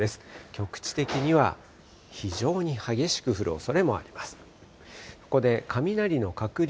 局地的には非常に激しく降るおそれもあります。